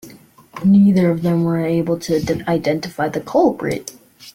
Neither of them were able to identify the culprit.